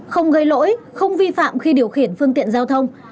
không gây lỗi không vi phạm khi điều khiển phương tiện giao thông